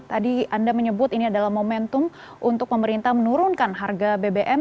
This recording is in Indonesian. tadi anda menyebut ini adalah momentum untuk pemerintah menurunkan harga bbm